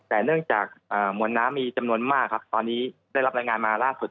แต่เนื่องจากมวลน้ำมีจำนวนมากครับตอนนี้ได้รับรายงานมาล่าสุด